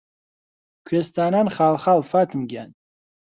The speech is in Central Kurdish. کوێستانان خاڵ خاڵ فاتم گیان